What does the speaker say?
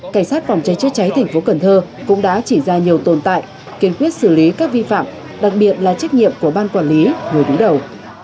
cảnh sát phòng cháy chữa cháy tp cnh cũng đã chỉ ra nhiều tồn tại kiên quyết xử lý các vi phạm đặc biệt là trách nhiệm của bang quản lý người đủ đầu